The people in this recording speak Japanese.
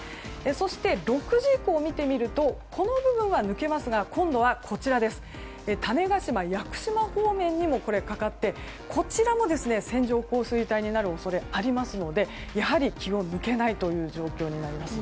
そして、６時以降を見てみるとこの部分は抜けますが今度は種子島、屋久島方面にもかかってこちらも線状降水帯になる恐れがありますのでやはり気を抜けないという状況になります。